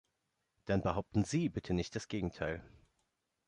Dann behaupten Sie bitte nicht das Gegenteil.